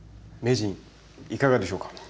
名人いかがでしょうか？